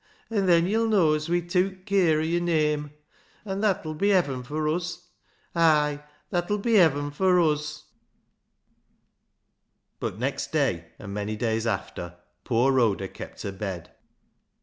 An' then yo'll know as we tewk cur o' yo'r name. An' that 'ull be heaven fur uz. Ay ! that 'ull be heaven for uz." But next day, and many days after, poor Rhoda kept her bed.